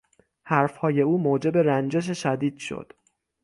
حرف های او موجب رنجش شدید شد.